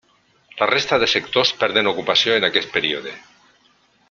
La resta de sectors perden ocupació en aquest període.